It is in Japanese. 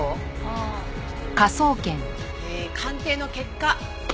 えー鑑定の結果